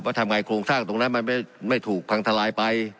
ทำไงโครงสร้างตรงนั้นมันไม่ถูกพังทลายไป